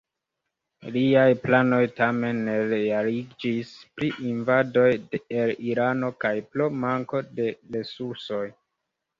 Liaj planoj tamen ne realiĝis pri invadoj el Irano kaj pro manko de resursoj.